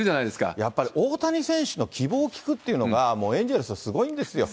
やっぱり大谷選手の希望を聞くっていうのが、もう、エンゼルスすごいんですよ。